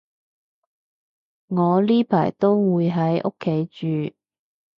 我呢排都會喺屋企住